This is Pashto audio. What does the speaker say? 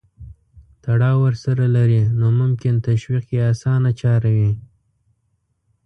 تړاو ورسره لري نو ممکن تشویق یې اسانه چاره وي.